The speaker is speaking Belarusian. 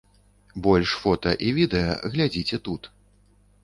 Больш фота і відэа глядзіце тут.